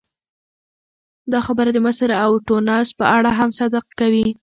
دا خبره د مصر او ټونس په اړه هم صدق کوي.